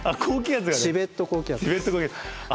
チベット高気圧です。